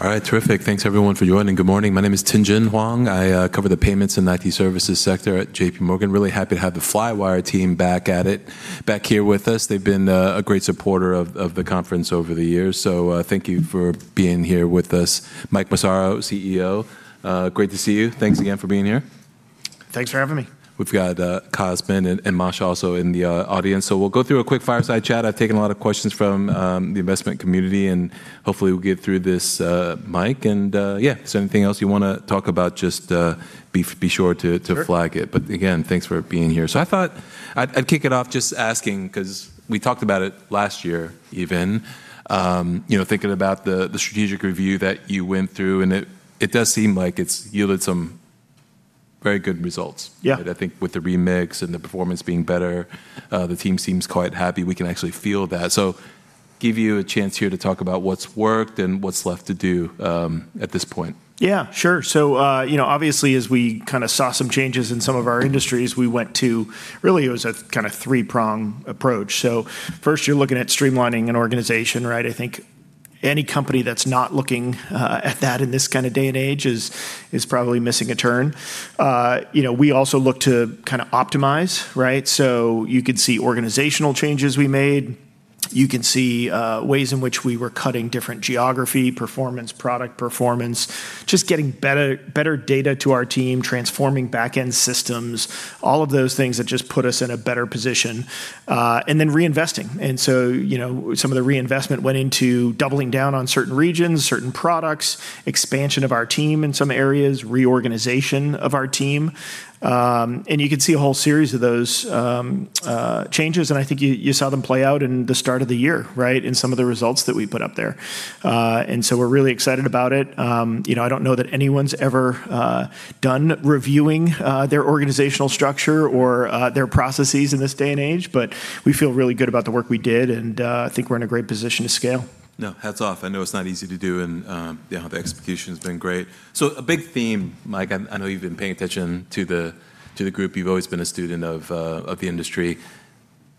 All right. Terrific. Thanks everyone for joining. Good morning. My name is Tien-Tsin Huang. I cover the payments and IT services sector at JPMorgan. Really happy to have the Flywire team back at it, back here with us. They've been a great supporter of the conference over the years, so thank you for being here with us. Mike Massaro, CEO, great to see you. Thanks again for being here. Thanks for having me. We've got Cosmin and Masha also in the audience. We'll go through a quick fireside chat. I've taken a lot of questions from the investment community, and hopefully we'll get through this, Mike. Yeah. Is there anything else you want to talk about? Just be sure to flag it. Sure. Again, thanks for being here. I thought I'd kick it off just asking, because we talked about it last year even, thinking about the strategic review that you went through, and it does seem like it's yielded some very good results. Yeah. I think with the remix and the performance being better, the team seems quite happy. We can actually feel that. Give you a chance here to talk about what's worked and what's left to do at this point. Yeah, sure. Obviously, as we saw some changes in some of our industries, we went to, really, it was a three pronged approach. First, you're looking at streamlining an organization, right? I think any company that's not looking at that in this day and age is probably missing a turn. We also look to optimize, right? You could see organizational changes we made. You can see ways in which we were cutting different geography performance, product performance, just getting better data to our team, transforming backend systems, all of those things that just put us in a better position. Reinvesting. Some of the reinvestment went into doubling down on certain regions, certain products, expansion of our team in some areas, reorganization of our team. You could see a whole series of those changes, and I think you saw them play out in the start of the year, right? In some of the results that we put up there. We're really excited about it. I don't know that anyone's ever done reviewing their organizational structure or their processes in this day and age, but we feel really good about the work we did, and I think we're in a great position to scale. No, hats off. I know it's not easy to do, and yeah, the execution's been great. A big theme, Mike, I know you've been paying attention to the group. You've always been a student of the industry.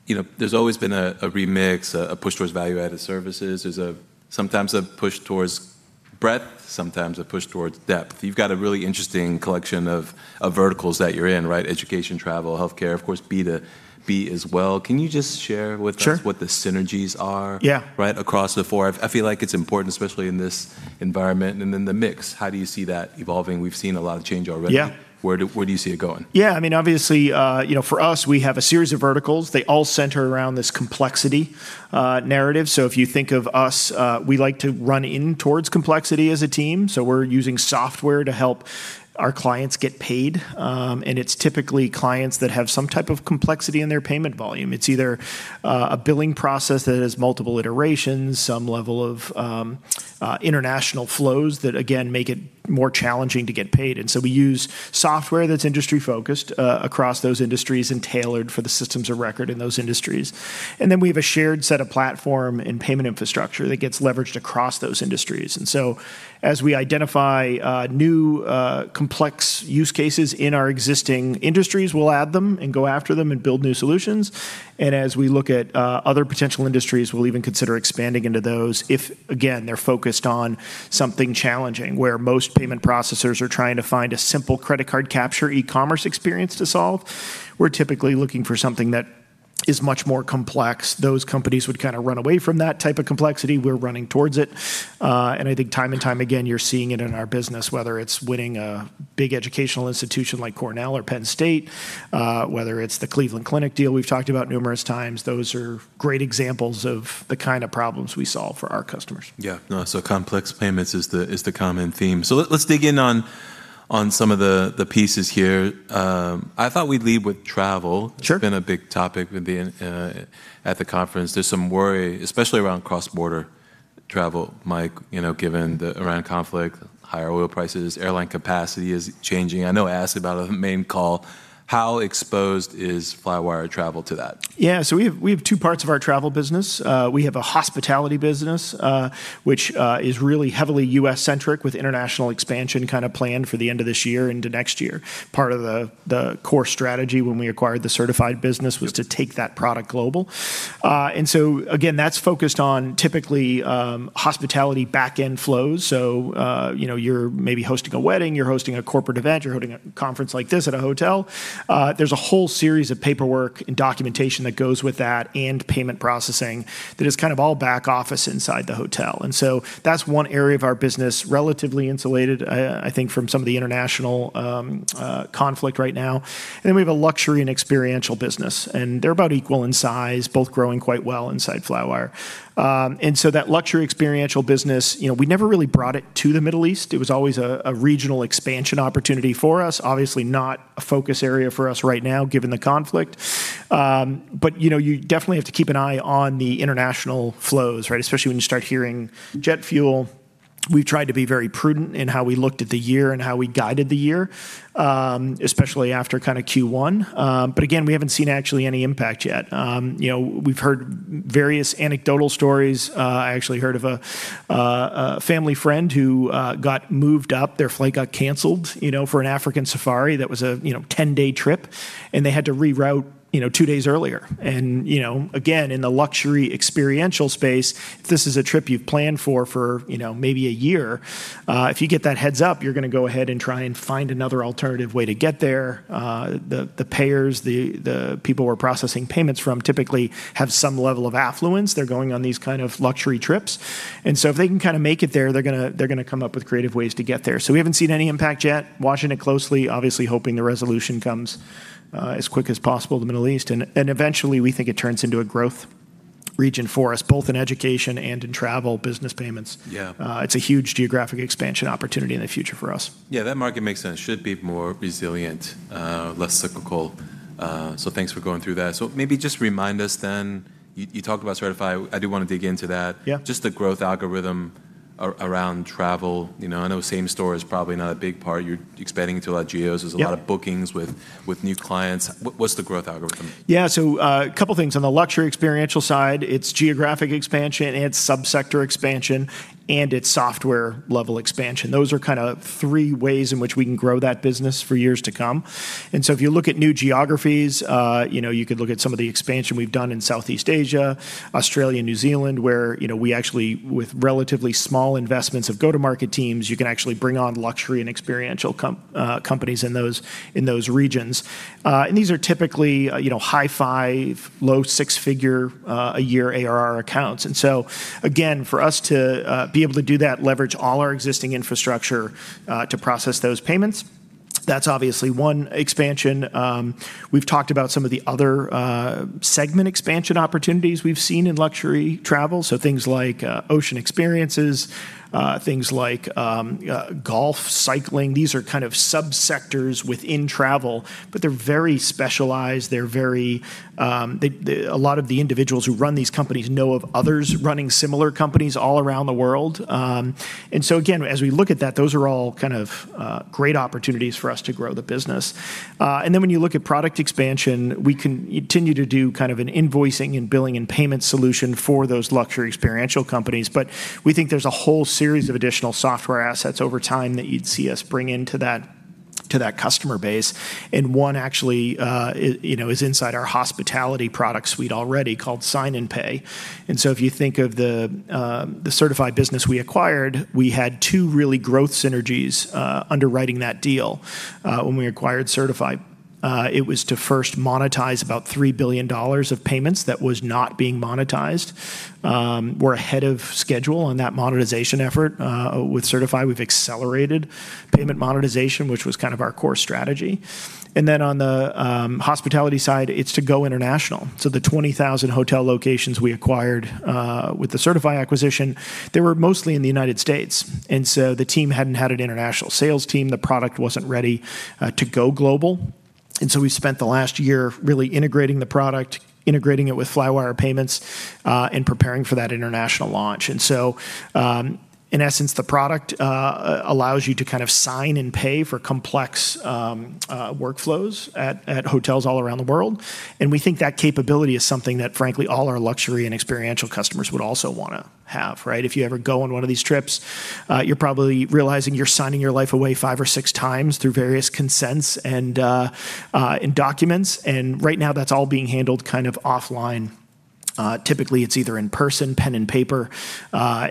There's always been a remix, a push towards value-added services. There's sometimes a push towards breadth, sometimes a push towards depth. You've got a really interesting collection of verticals that you're in, right? Education, travel, healthcare, of course, B2B as well. Can you just share with us? Sure. What the synergies are. Yeah. Right across the four. I feel like it's important, especially in this environment. The mix, how do you see that evolving? We've seen a lot of change already. Yeah. Where do you see it going? Obviously, for us, we have a series of verticals. They all center around this complexity narrative. If you think of us, we like to run in towards complexity as a team, so we're using software to help our clients get paid. It's typically clients that have some type of complexity in their payment volume. It's either a billing process that has multiple iterations, some level of international flows that, again, make it more challenging to get paid. We use software that's industry focused across those industries and tailored for the systems of record in those industries. Then we have a shared set of platform and payment infrastructure that gets leveraged across those industries. As we identify new, complex use cases in our existing industries, we'll add them and go after them and build new solutions. As we look at other potential industries, we'll even consider expanding into those if, again, they're focused on something challenging, where most payment processors are trying to find a simple credit card capture e-commerce experience to solve. We're typically looking for something that is much more complex. Those companies would run away from that type of complexity. We're running towards it. I think time and time again, you're seeing it in our business, whether it's winning a big educational institution like Cornell or Penn State, whether it's the Cleveland Clinic deal we've talked about numerous times. Those are great examples of the kind of problems we solve for our customers. Yeah. No. Complex payments is the common theme. Let's dig in on some of the pieces here. I thought we'd lead with travel. Sure. It's been a big topic with being at the conference. There's some worry, especially around cross-border travel, Mike, given the Iran conflict, higher oil prices, airline capacity is changing. I know I asked about a main call. How exposed is Flywire travel to that? Yeah. We have two parts of our travel business. We have a hospitality business, which is really heavily U.S.-centric with international expansion planned for the end of this year into next year. Part of the core strategy when we acquired the Sertifi business was to take that product global. Again, that's focused on typically hospitality backend flows. You're maybe hosting a wedding, you're hosting a corporate event, you're hosting a conference like this at a hotel. There's a whole series of paperwork and documentation that goes with that and payment processing that is all back office inside the hotel. That's one area of our business, relatively insulated, I think from some of the international conflict right now. We have a luxury and experiential business, and they're about equal in size, both growing quite well inside Flywire. That luxury experiential business, we never really brought it to the Middle East. It was always a regional expansion opportunity for us. Obviously not a focus area for us right now given the conflict. You definitely have to keep an eye on the international flows, right? Especially when you start hearing jet fuel. We've tried to be very prudent in how we looked at the year and how we guided the year, especially after Q1. Again, we haven't seen actually any impact yet. We've heard various anecdotal stories. I actually heard of a family friend who got moved up. Their flight got canceled for an African safari that was a 10-day trip, and they had to reroute two days earlier. Again, in the luxury experiential space, if this is a trip you've planned for maybe a year, if you get that heads-up, you're going to go ahead and try and find another alternative way to get there. The payers, the people we're processing payments from typically have some level of affluence. They're going on these kinds of luxury trips. If they can make it there, they're going to come up with creative ways to get there. We haven't seen any impact yet. Watching it closely, obviously hoping the resolution comes as quick as possible in the Middle East. Eventually, we think it turns into a growth region for us, both in education and in travel B2B payments. Yeah. It's a huge geographic expansion opportunity in the future for us. Yeah, that market makes sense. Should be more resilient, less cyclical. Thanks for going through that. Maybe just remind us then, you talked about Sertifi. I do want to dig into that. Yeah. Just the growth algorithm around travel. I know same store is probably not a big part. You're expanding into a lot of geos. Yeah. There's a lot of bookings with new clients. What's the growth algorithm? Yeah. A couple of things. On the luxury experiential side, it's geographic expansion, and it's sub-sector expansion, and it's software-level expansion. Those are three ways in which we can grow that business for years to come. If you look at new geographies, you could look at some of the expansion we've done in Southeast Asia, Australia, and New Zealand, where we actually, with relatively small investments of go-to-market teams, you can actually bring on luxury and experiential companies in those regions. These are typically high $5, low $6-figure a year ARR accounts. Again, for us to be able to do that, leverage all our existing infrastructure to process those payments, that's obviously one expansion. We've talked about some of the other segment expansion opportunities we've seen in luxury travel. Things like ocean experiences, things like golf, cycling. These are sub-sectors within travel, but they're very specialized. A lot of the individuals who run these companies know of others running similar companies all around the world. Again, as we look at that, those are all great opportunities for us to grow the business. When you look at product expansion, we continue to do an invoicing and billing and payment solution for those luxury experiential companies. We think there's a whole series of additional software assets over time that you'd see us bring into that customer base. One actually is inside our hospitality product suite already called Sign and Pay. If you think of the Sertifi business we acquired, we had two really growth synergies underwriting that deal when we acquired Sertifi. It was to first monetize about $3 billion of payments that was not being monetized. We're ahead of schedule on that monetization effort. With Sertifi, we've accelerated payment monetization, which was our core strategy. On the hospitality side, it's to go international. The 20,000 hotel locations we acquired with the Sertifi acquisition, they were mostly in the United States. The team hadn't had an international sales team. The product wasn't ready to go global. We spent the last year really integrating the product, integrating it with Flywire payments, and preparing for that international launch. In essence, the product allows you to sign and pay for complex workflows at hotels all around the world. We think that capability is something that frankly all our luxury and experiential customers would also want to have, right? If you ever go on one of these trips, you're probably realizing you're signing your life away five or six times through various consents and documents. Right now that's all being handled offline. Typically, it's either in person, pen and paper.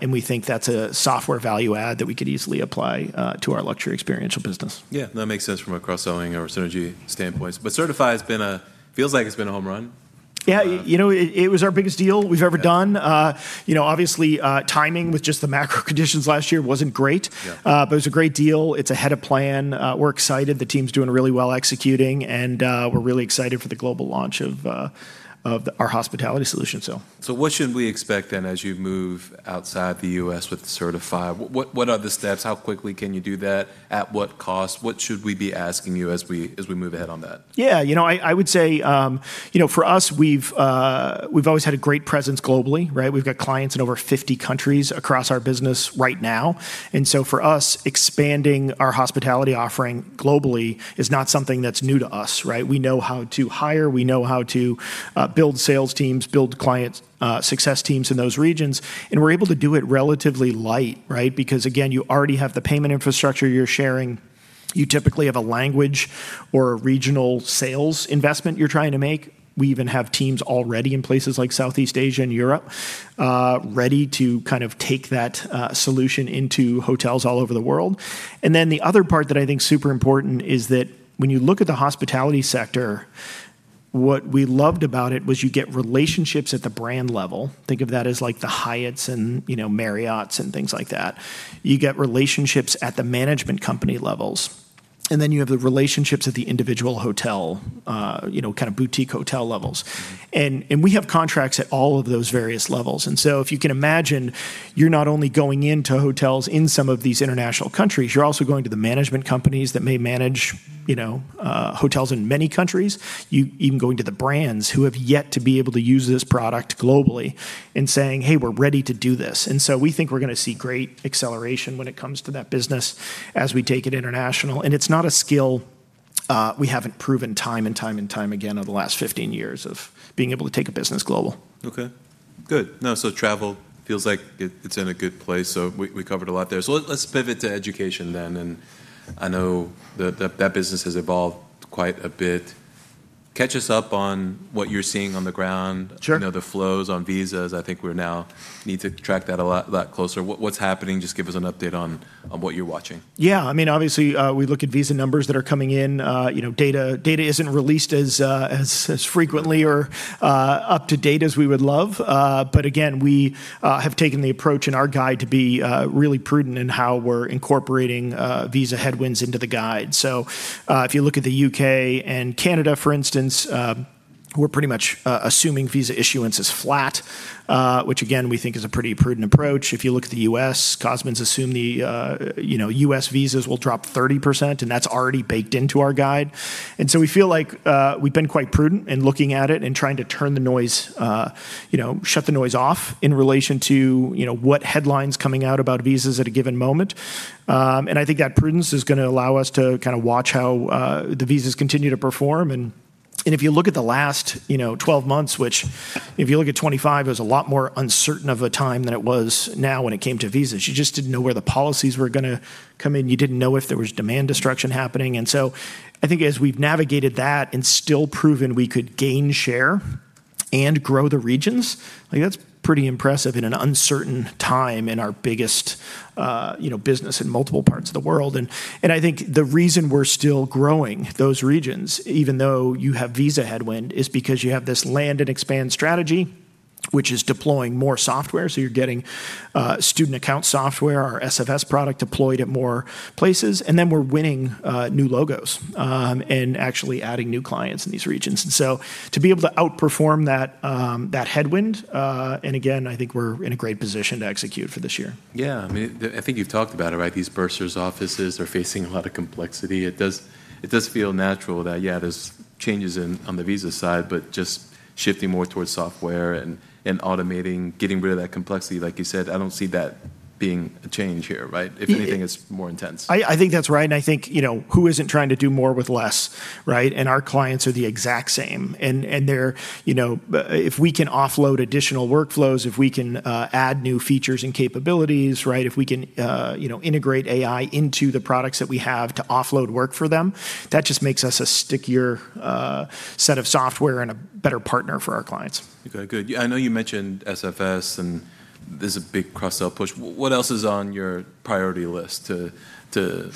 We think that's a software value add that we could easily apply to our luxury experiential business. Yeah, that makes sense from a cross-selling or synergy standpoint. Sertifi feels like it's been a home run. Yeah. It was our biggest deal we've ever done. Yeah. Obviously, timing with just the macro conditions last year wasn't great. Yeah. It was a great deal. It's ahead of plan. We're excited. The team's doing really well executing, and we're really excited for the global launch of our hospitality solution. What should we expect then as you move outside the U.S. with Sertifi? What are the steps? How quickly can you do that? At what cost? What should we be asking you as we move ahead on that? I would say for us, we've always had a great presence globally, right? We've got clients in over 50 countries across our business right now. For us, expanding our hospitality offering globally is not something that's new to us, right? We know how to hire, we know how to build sales teams, build client success teams in those regions. We're able to do it relatively light, right? Because again, you already have the payment infrastructure you're sharing. You typically have a language or a regional sales investment you're trying to make. We even have teams already in places like Southeast Asia and Europe ready to take that solution into hotels all over the world. The other part that I think is super important is that when you look at the hospitality sector, what we loved about it was you get relationships at the brand level. Think of that as like the Hyatt and Marriott and things like that. You get relationships at the management company levels, and then you have the relationships at the individual hotel, boutique hotel levels. We have contracts at all of those various levels. If you can imagine, you're not only going into hotels in some of these international countries, you're also going to the management companies that may manage hotels in many countries. You're even going to the brands who have yet to be able to use this product globally and saying, "Hey, we're ready to do this." We think we're going to see great acceleration when it comes to that business as we take it international. It's not a skill we haven't proven time and time again over the last 15 years of being able to take a business global. Okay, good. No, travel feels like it's in a good place. We covered a lot there. Let's pivot to education then. I know that that business has evolved quite a bit. Catch us up on what you're seeing on the ground. Sure. The flows on visas, I think we now need to track that a lot closer. What's happening? Just give us an update on what you're watching. Yeah. Obviously, we look at visa numbers that are coming in. Data isn't released as frequently or up to date as we would love. Again, we have taken the approach in our guide to be really prudent in how we're incorporating visa headwinds into the guide. If you look at the U.K. and Canada, for instance, we're pretty much assuming visa issuance is flat, which again, we think is a pretty prudent approach. If you look at the U.S., Cosmin's assumed the U.S. visas will drop 30%, that's already baked into our guide. We feel like we've been quite prudent in looking at it and trying to shut the noise off in relation to what headlines coming out about visas at a given moment. I think that prudence is going to allow us to watch how the visas continue to perform. If you look at the last 12 months, which if you look at 2025, it was a lot more uncertain of a time than it was now when it came to visas. You just didn't know where the policies were going to come in. You didn't know if there was demand destruction happening. I think as we've navigated that and still proven we could gain share and grow the regions, that's pretty impressive in an uncertain time in our biggest business in multiple parts of the world. I think the reason we're still growing those regions, even though you have visa headwind, is because you have this land and expand strategy, which is deploying more software. You're getting student account software, our SFS product deployed at more places, and actually adding new clients in these regions. To be able to outperform that headwind, and again, I think we're in a great position to execute for this year. Yeah. I think you've talked about it, right? These bursars' offices are facing a lot of complexity. It does feel natural that, yeah, there's changes on the visa side, but just shifting more towards software and automating, getting rid of that complexity, like you said, I don't see that being a change here, right? If anything, it's more intense. I think that's right, I think who isn't trying to do more with less, right? Our clients are the exact same. If we can offload additional workflows, if we can add new features and capabilities, if we can integrate AI into the products that we have to offload work for them, that just makes us a stickier set of software and a better partner for our clients. Okay, good. I know you mentioned SFS, and there's a big cross-sell push. What else is on your priority list to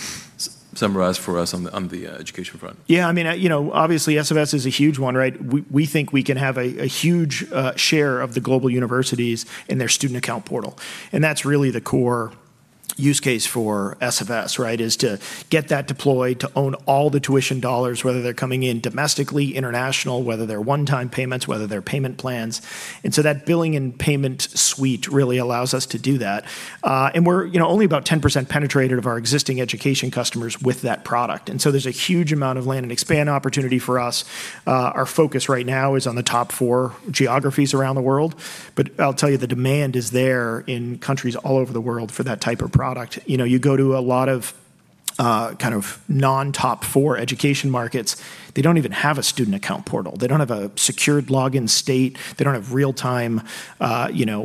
summarize for us on the education front? Yeah. Obviously SFS is a huge one, right? We think we can have a huge share of the global universities in their student account portal, and that's really the core use case for SFS is to get that deployed to own all the tuition dollars, whether they're coming in domestically, international, whether they're one-time payments, whether they're payment plans. That billing and payment suite really allows us to do that. We're only about 10% penetrated of our existing education customers with that product. There's a huge amount of land and expand opportunity for us. Our focus right now is on the top four geographies around the world. I'll tell you, the demand is there in countries all over the world for that type of product. You go to a lot of non-top four education markets, they don't even have a student account portal. They don't have a secured login state. They don't have real-time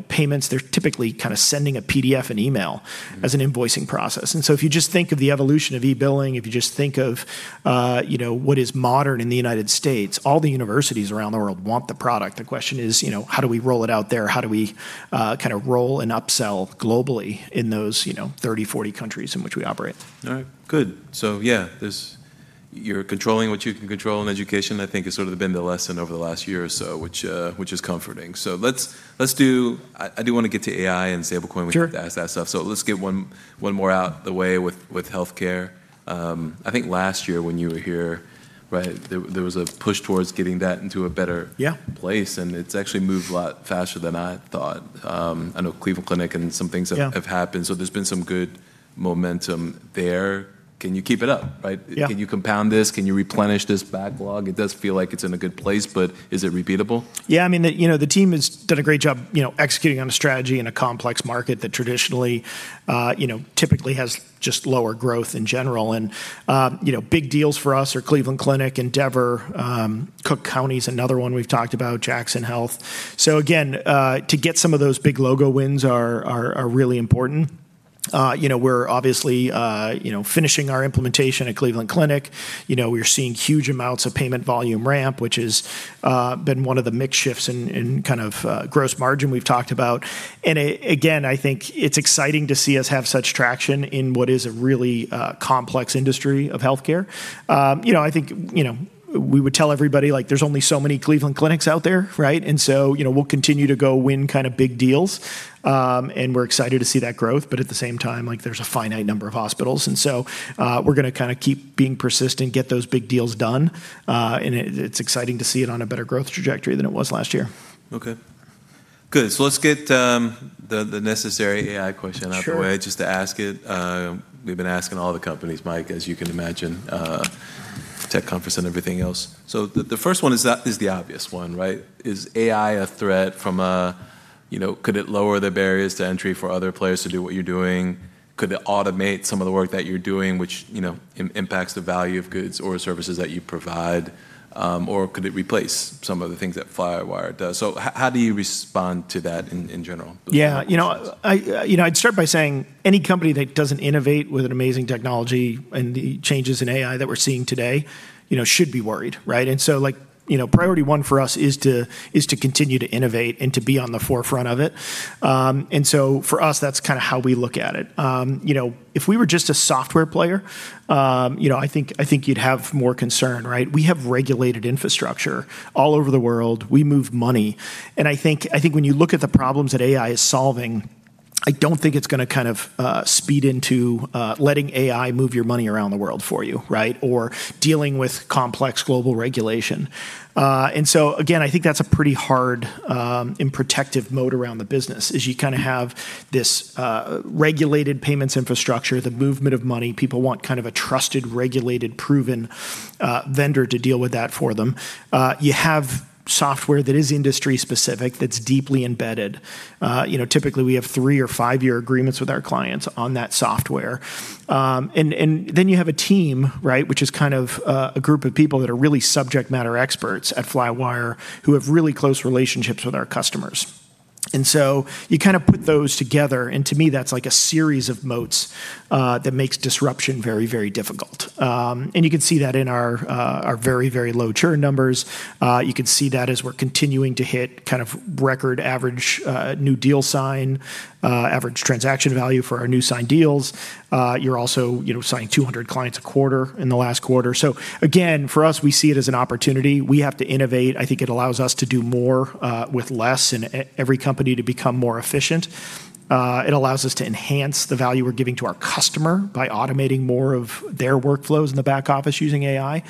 payments. They're typically sending a PDF and email as an invoicing process. If you just think of the evolution of e-billing, if you just think of what is modern in the United States, all the universities around the world want the product. The question is, how do we roll it out there? How do we roll and upsell globally in those 30, 40 countries in which we operate? All right, good. Yeah, you're controlling what you can control, and education, I think, has sort of been the lesson over the last year or so, which is comforting. I do want to get to AI and stablecoin. Sure. When we ask that stuff. Let's get one more out the way with healthcare. I think last year when you were here, there was a push towards getting that into a better. Yeah. Place. It's actually moved a lot faster than I thought. I know Cleveland Clinic and some things. Yeah. Happened, so there's been some good momentum there. Can you keep it up, right? Yeah. Can you compound this? Can you replenish this backlog? It does feel like it's in a good place, but is it repeatable? Yeah. The team has done a great job executing on a strategy in a complex market that traditionally, typically has just lower growth in general. Big deals for us are Cleveland Clinic, Endeavor, Cook County's another one we've talked about, Jackson Health. Again, to get some of those big logo wins are really important. We're obviously finishing our implementation at Cleveland Clinic. We are seeing huge amounts of payment volume ramp, which has been one of the mix shifts in gross margin we've talked about. Again, I think it's exciting to see us have such traction in what is a really complex industry of healthcare. I think we would tell everybody, there's only so many Cleveland Clinics out there, right? We'll continue to go win big deals, and we're excited to see that growth. At the same time, there's a finite number of hospitals, we're going to keep being persistent, get those big deals done. It's exciting to see it on a better growth trajectory than it was last year. Okay, good. Let's get the necessary AI question. Sure. Out the way, just to ask it. We've been asking all the companies, Mike, as you can imagine, tech conference and everything else. The first one is the obvious one. Is AI a threat from Could it lower the barriers to entry for other players to do what you're doing? Could it automate some of the work that you're doing, which impacts the value of goods or services that you provide? Or could it replace some of the things that Flywire does? How do you respond to that in general? Yeah. I'd start by saying any company that doesn't innovate with an amazing technology and the changes in AI that we're seeing today should be worried, right? Priority one for us is to continue to innovate and to be on the forefront of it. For us, that's kind of how we look at it. If we were just a software player, I think you'd have more concern, right? We have regulated infrastructure all over the world. We move money. I think when you look at the problems that AI is solving, I don't think it's going to kind of speed into letting AI move your money around the world for you, right? Or dealing with complex global regulation. Again, I think that's a pretty hard and protective moat around the business, is you kind of have this regulated payments infrastructure, the movement of money. People want kind of a trusted, regulated, proven vendor to deal with that for them. You have software that is industry specific, that's deeply embedded. Typically, we have three or five year agreements with our clients on that software. You have a team, which is kind of a group of people that are really subject matter experts at Flywire, who have really close relationships with our customers. You kind of put those together, and to me, that's like a series of moats that makes disruption very difficult. You can see that in our very low churn numbers. You can see that as we're continuing to hit kind of record average new deal sign, average transaction value for our new signed deals. You're also signing 200 clients a quarter in the last quarter. Again, for us, we see it as an opportunity. We have to innovate. I think it allows us to do more with less in every company to become more efficient. It allows us to enhance the value we're giving to our customer by automating more of their workflows in the back office using AI.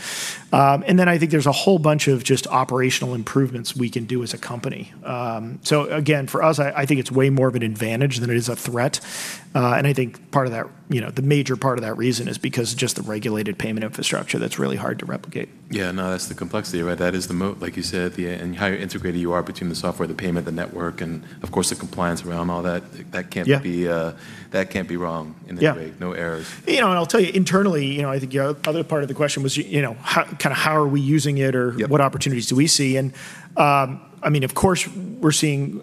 I think there's a whole bunch of just operational improvements we can do as a company. Again, for us, I think it's way more of an advantage than it is a threat. I think the major part of that reason is because just the regulated payment infrastructure, that's really hard to replicate. Yeah, no, that's the complexity. That is the moat, like you said, and how integrated you are between the software, the payment, the network, and of course, the compliance around all that. Yeah. That can't be wrong in this rate. Yeah. No errors. I'll tell you internally, I think the other part of the question was how are we using it or what opportunities do we see? Of course, we're seeing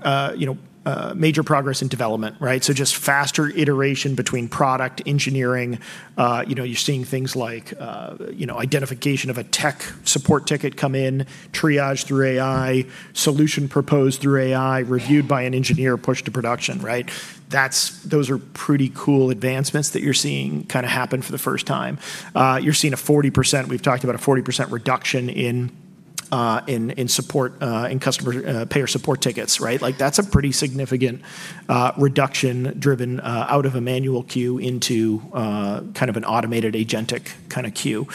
major progress in development. Just faster iteration between product engineering. You're seeing things like identification of a tech support ticket come in, triaged through AI, solution proposed through AI, reviewed by an engineer, pushed to production, right? Those are pretty cool advancements that you're seeing kind of happen for the first time. You're seeing a 40%, we've talked about a 40% reduction in payer support tickets. That's a pretty significant reduction driven out of a manual queue into kind of an automated agentic kind of queue.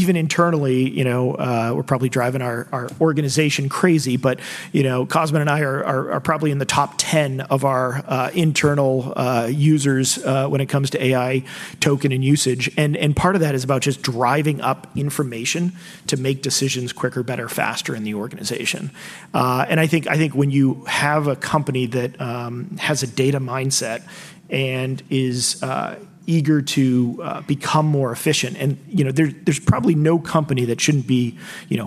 Even internally, we're probably driving our organization crazy, Cosmin and I are probably in the top 10 of our internal users when it comes to AI token and usage. Part of that is about just driving up information to make decisions quicker, better, faster in the organization. I think when you have a company that has a data mindset and is eager to become more efficient, there's probably no company that shouldn't be,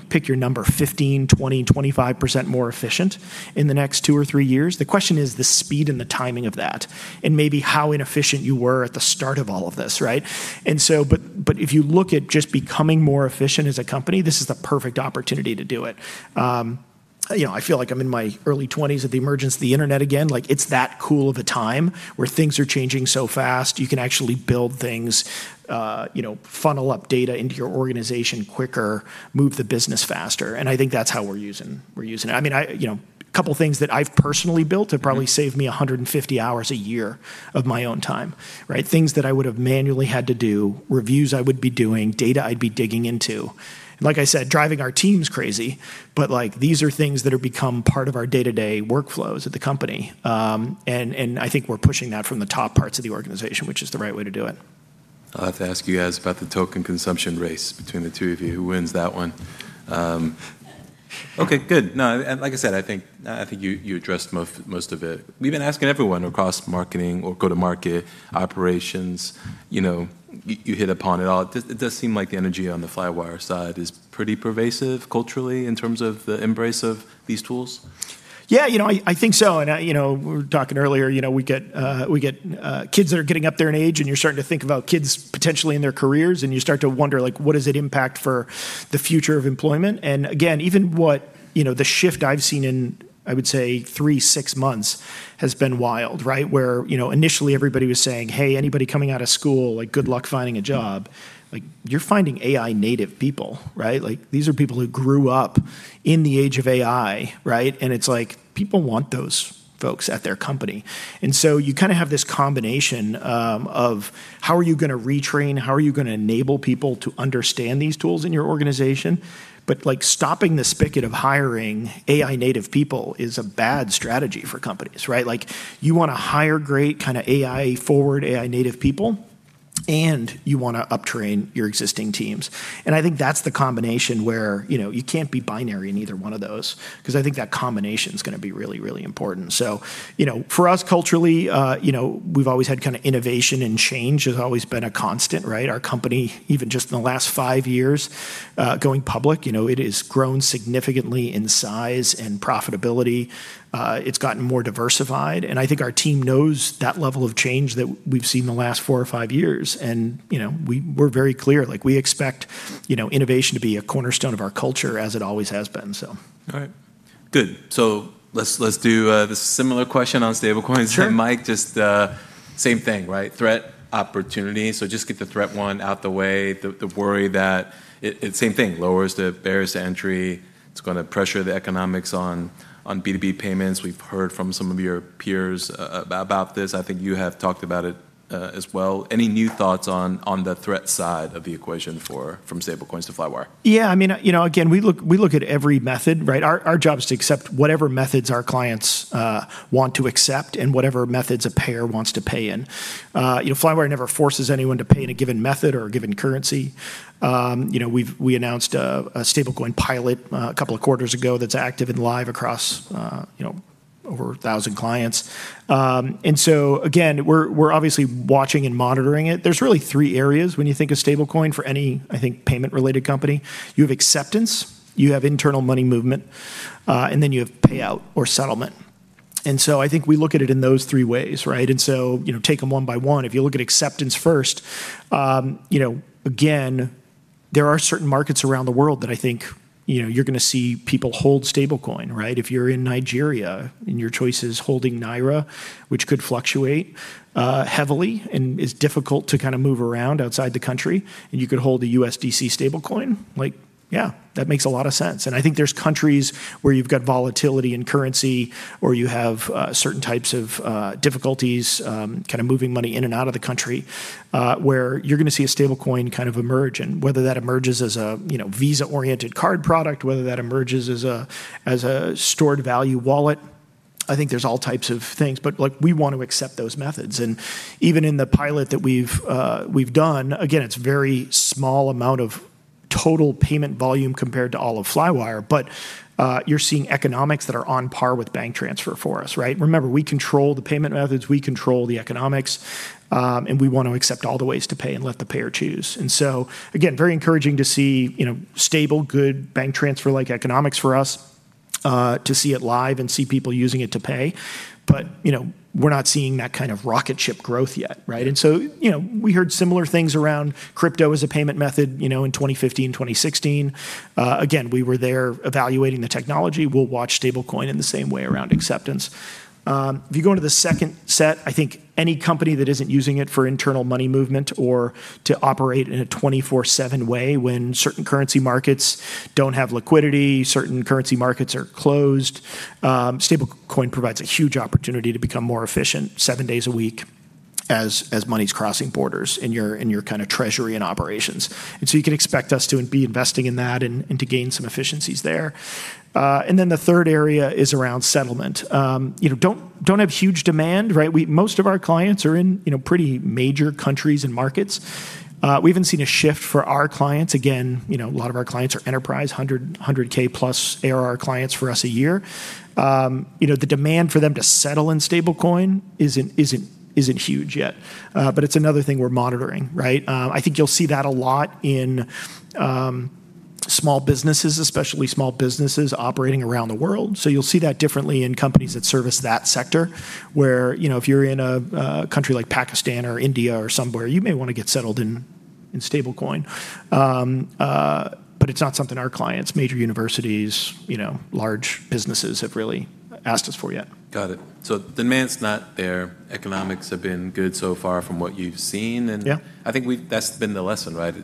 pick your number 15%, 20%, 25% more efficient in the next two or three years. The question is the speed and the timing of that, and maybe how inefficient you were at the start of all of this, right? If you look at just becoming more efficient as a company, this is the perfect opportunity to do it. I feel like I'm in my early 20s at the emergence of the internet again. It's that cool of a time where things are changing so fast. You can actually build things, funnel up data into your organization quicker, move the business faster, and I think that's how we're using it. A couple things that I've personally built have probably saved me 150 hours a year of my own time. Things that I would've manually had to do, reviews I would be doing, data I'd be digging into. Like I said, driving our teams crazy, but these are things that have become part of our day-to-day workflows at the company. I think we're pushing that from the top parts of the organization, which is the right way to do it. I'll have to ask you guys about the token consumption race between the two of you. Who wins that one? Okay, good. No, like I said, I think you addressed most of it. We've been asking everyone across marketing or go-to-market operations, you hit upon it all. It does seem like the energy on the Flywire side is pretty pervasive culturally in terms of the embrace of these tools. Yeah, I think so, and we were talking earlier, we get kids that are getting up there in age, and you're starting to think about kids potentially in their careers, and you start to wonder, what does it impact for the future of employment? Again, even what the shift I've seen in, I would say three, six months, has been wild. Where initially everybody was saying, "Hey, anybody coming out of school, good luck finding a job." You're finding AI native people. These are people who grew up in the age of AI. It's like people want those folks at their company. You kind of have this combination of how are you going to retrain, how are you going to enable people to understand these tools in your organization? Stopping the spigot of hiring AI native people is a bad strategy for companies. You want to hire great kind of AI forward, AI native people. You want to uptrain your existing teams. I think that's the combination where you can't be binary in either one of those, because I think that combination's going to be really, really important. For us culturally, we've always had innovation and change, has always been a constant, right? Our company, even just in the last five years, going public, it has grown significantly in size and profitability. It's gotten more diversified, and I think our team knows that level of change that we've seen in the last four or five years. We're very clear, we expect innovation to be a cornerstone of our culture as it always has been. All right. Good. Let's do this similar question on stablecoins. Sure. Mike, just same thing, right? Threat, opportunity. Just get the threat one out the way. The worry that it, same thing, lowers the barriers to entry. It's going to pressure the economics on B2B payments. We've heard from some of your peers about this. I think you have talked about it, as well. Any new thoughts on the threat side of the equation from stablecoins to Flywire? Yeah, again, we look at every method, right? Our job is to accept whatever methods our clients want to accept and whatever methods a payer wants to pay in. Flywire never forces anyone to pay in a given method or a given currency. We announced a stablecoin pilot a couple of quarters ago that's active and live across over 1,000 clients. Again, we're obviously watching and monitoring it. There's really three areas when you think of stablecoin for any, I think, payment-related company. You have acceptance, you have internal money movement, and then you have payout or settlement. I think we look at it in those three ways, right? Take them one by one. If you look at acceptance first, again, there are certain markets around the world that I think you're going to see people hold stablecoin, right? If you're in Nigeria and your choice is holding Naira, which could fluctuate heavily and is difficult to move around outside the country, and you could hold a USDC stablecoin, that makes a lot of sense. I think there's countries where you've got volatility in currency or you have certain types of difficulties moving money in and out of the country, where you're going to see a stablecoin emerge. Whether that emerges as a Visa-oriented card product, whether that emerges as a stored value wallet, I think there's all types of things. We want to accept those methods. Even in the pilot that we've done, again, it's very small amount of total payment volume compared to all of Flywire, but you're seeing economics that are on par with bank transfer for us, right? Remember, we control the payment methods, we control the economics, and we want to accept all the ways to pay and let the payer choose. Again, very encouraging to see stable, good bank transfer-like economics for us to see it live and see people using it to pay. We're not seeing that kind of rocket ship growth yet, right? Yeah. We heard similar things around crypto as a payment method in 2015, 2016. We were there evaluating the technology. We'll watch stablecoin in the same way around acceptance. If you go into the second set, I think any company that isn't using it for internal money movement or to operate in a 24/7 way when certain currency markets don't have liquidity, certain currency markets are closed, stablecoin provides a huge opportunity to become more efficient seven days a week as money's crossing borders in your kind of treasury and operations. You can expect us to be investing in that and to gain some efficiencies there. The third area is around settlement. Don't have huge demand, right? Most of our clients are in pretty major countries and markets. We haven't seen a shift for our clients. A lot of our clients are enterprise, 100K-plus ARR clients for us a year. The demand for them to settle in stablecoin isn't huge yet. It's another thing we're monitoring, right? I think you'll see that a lot in small businesses, especially small businesses operating around the world. You'll see that differently in companies that service that sector, where if you're in a country like Pakistan or India or somewhere, you may want to get settled in stablecoin. It's not something our clients, major universities, large businesses have really asked us for yet. Got it. Demand's not there. Economics have been good so far from what you've seen. Yeah. I think that's been the lesson, right?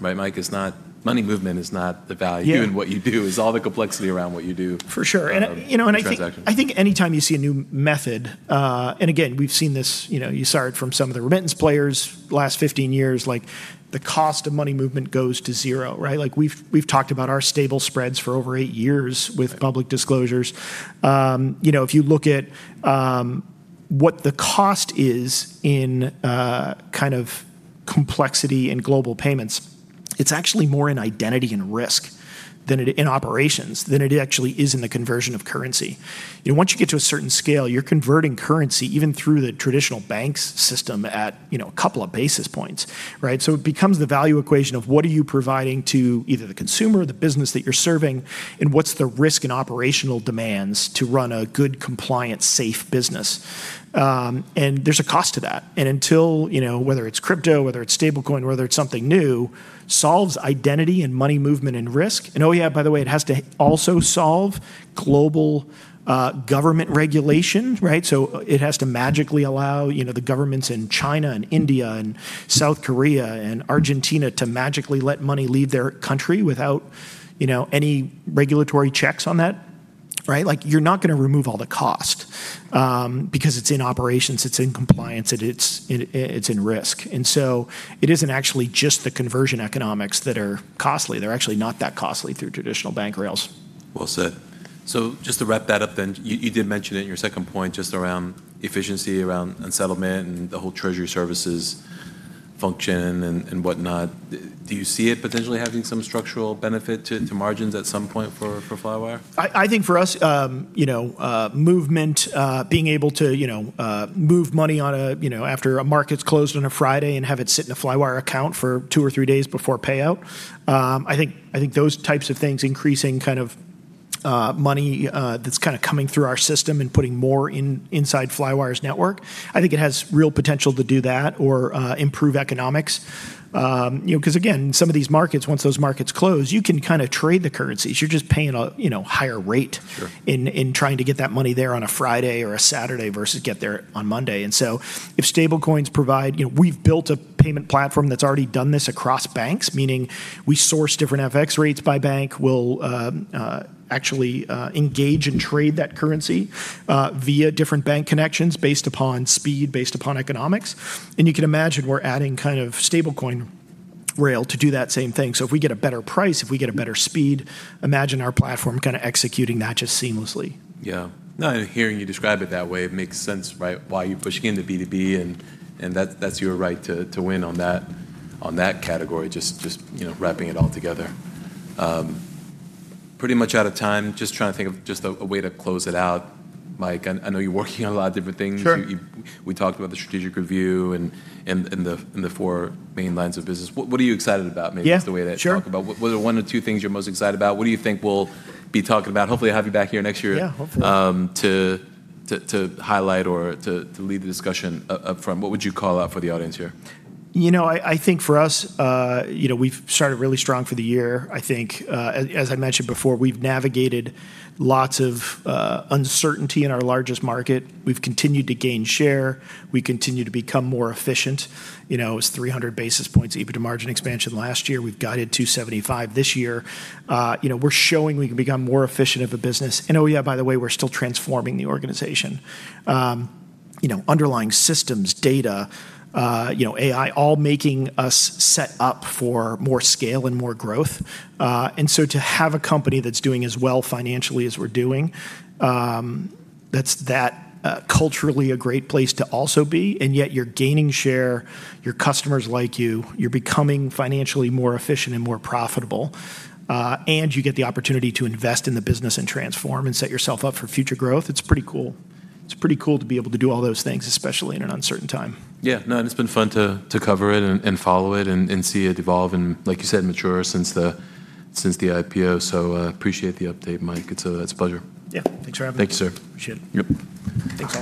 Right, Mike? Money movement is not the value. Yeah. In what you do. It's all the complexity around what you do. For sure. Around transactions. I think anytime you see a new method, again, we've seen this, you saw it from some of the remittance players the last 15 years, the cost of money movement goes to zero. We've talked about our stable spreads for over eight years with public disclosures. If you look at what the cost is in complexity in global payments, it's actually more in identity and risk in operations than it actually is in the conversion of currency. Once you get to a certain scale, you're converting currency even through the traditional banks system at a couple of basis points. It becomes the value equation of what are you providing to either the consumer or the business that you're serving, and what's the risk and operational demands to run a good, compliant, safe business? There's a cost to that. Until, whether it's crypto, whether it's stablecoin, or whether it's something new, solves identity and money movement and risk, and oh yeah, by the way, it has to also solve global government regulation, right? It has to magically allow the governments in China and India and South Korea and Argentina to magically let money leave their country without any regulatory checks on that, right? You're not going to remove all the cost, because it's in operations, it's in compliance, it's in risk. It isn't actually just the conversion economics that are costly. They're actually not that costly through traditional bank rails. Well said. Just to wrap that up then, you did mention it in your second point, just around efficiency, around settlement, and the whole treasury services function and whatnot. Do you see it potentially having some structural benefit to margins at some point for Flywire? I think for us, movement, being able to move money after a market's closed on a Friday and have it sit in a Flywire account for two or three days before payout. I think those types of things increasing money that's coming through our system and putting more inside Flywire's network, I think it has real potential to do that or improve economics. Because again, some of these markets, once those markets close, you can trade the currencies. You're just paying a higher rate. Sure. In trying to get that money there on a Friday or a Saturday versus get there on Monday. If stablecoins provide. We've built a payment platform that's already done this across banks, meaning we source different FX rates by bank. We'll actually engage and trade that currency via different bank connections based upon speed, based upon economics. You can imagine we're adding stablecoin rail to do that same thing. If we get a better price, if we get a better speed, imagine our platform executing that just seamlessly. Yeah. No, and hearing you describe it that way, it makes sense, right? Why you're pushing into B2B, and that's your right to win on that category. Just wrapping it all together. Pretty much out of time. Just trying to think of just a way to close it out, Mike. I know you're working on a lot of different things. Sure. We talked about the strategic review and the four main lines of business. What are you excited about? Yeah. Sure. Maybe that's the way to talk about. What are one or two things you're most excited about? What do you think we'll be talking about? Hopefully, we'll have you back here next year. Yeah, hopefully. To highlight or to lead the discussion up front, what would you call out for the audience here? I think for us, we've started really strong for the year. I think as I mentioned before, we've navigated lots of uncertainty in our largest market. We've continued to gain share. We continue to become more efficient. It was 300 basis points EBITDA margin expansion last year. We've guided 275 this year. We're showing we can become more efficient of a business. Oh yeah, by the way, we're still transforming the organization. Underlying systems data, AI, all making us set up for more scale and more growth. To have a company that's doing as well financially as we're doing, that's culturally a great place to also be, and yet you're gaining share, your customers like you're becoming financially more efficient and more profitable, and you get the opportunity to invest in the business and transform and set yourself up for future growth, it's pretty cool. It's pretty cool to be able to do all those things, especially in an uncertain time. Yeah. No, it's been fun to cover it and follow it and see it evolve and, like you said, mature since the IPO. Appreciate the update, Mike. It's a pleasure. Yeah. Thanks for having me. Thank you, sir. Appreciate it. Yep. Thanks.